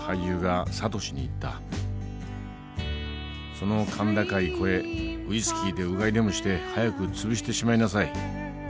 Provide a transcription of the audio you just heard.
「その甲高い声ウイスキーでうがいでもして早く潰してしまいなさい。